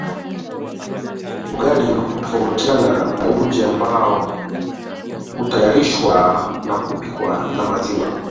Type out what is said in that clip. Ugali hutofautiana na uji ambao hutayarishwa na hupikwa na maziwa